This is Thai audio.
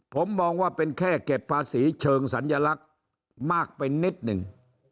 ผมมองว่าเป็นแค่เก็บภาษีเชิงสัญลักษณ์มากไปนิดหนึ่ง